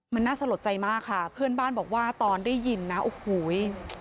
มันน่าสะหรับใจมากค่ะเพื่อนบ้านบอกว่าตอนได้ยินนะโอ้โห